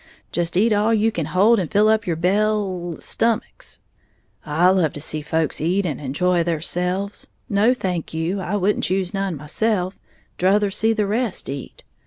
Just eat all you can hold, and fill up your bel stummicks. I love to see folks eat and enjoy theirselves. No thank you, I wouldn't choose none myself, 'druther see the rest eat!